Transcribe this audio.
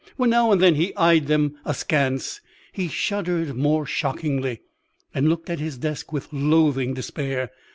When now and then he eyed them askance he shuddered more shockingly, and looked at his desk with loathing despair.